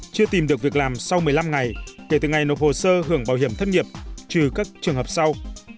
chưa tìm được việc làm sau một mươi năm ngày kể từ ngày nộp hồ sơ hưởng bảo hiểm thất nghiệp trừ các trường hợp sau